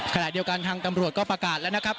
ขณะเดียวกันทางตำรวจก็ประกาศแล้วนะครับ